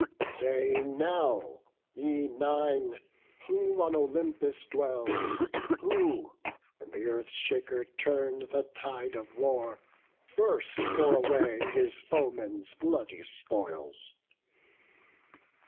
Say now, ye Nine, who on Olympus dwell, Who, when th' Earth shaker turn'd the tide of war, First bore away his foeman's bloody spoils?